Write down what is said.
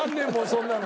そんなの。